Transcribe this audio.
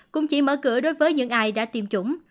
cũng chỉ mở cửa đối với những ai đã tiêm chủng